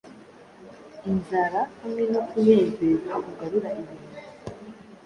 Inzara, hamwe no kunezeza kugarura ibintu